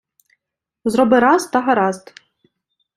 Зроби раз, та гаразд!